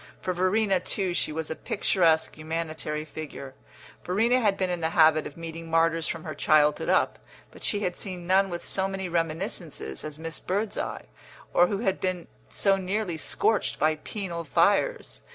For Verena, too, she was a picturesque humanitary figure. Verena had been in the habit of meeting martyrs from her childhood up, but she had seen none with so many reminiscences as Miss Birdseye, or who had been so nearly scorched by penal fires.